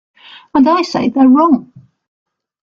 And I say they're wrong.